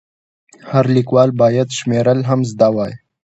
هر لیکوال باید شمېرل هم زده وای.